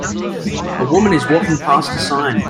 A woman is walking past a sign.